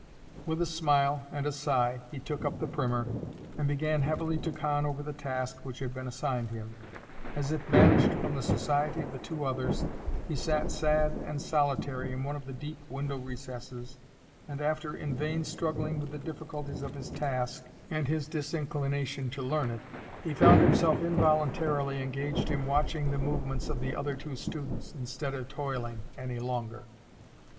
With a smile and a sigh he took up the primer, and began heavily to con over the task which had been assigned him. As if banished from the society of the two others, he sat sad and solitary in one of the deep window recesses, and after in vain struggling with the difficulties of his task, and his disinclination to learn it, he found himself involuntarily engaged in watching the movements of the other two students, instead of toiling any longer.